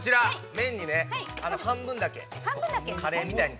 麺に、半分だけ、カレーみたいに。